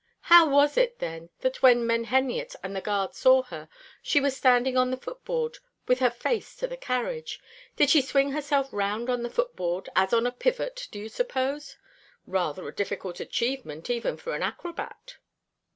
How was it, then, that when Menheniot and the guard saw her, she was standing on the foot board with her face to the carriage? Did she swing herself round on the footboard, as on a pivot, do you suppose? Rather a difficult achievement, even for an acrobat."